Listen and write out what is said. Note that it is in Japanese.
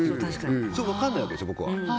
分からないわけですよ、僕は。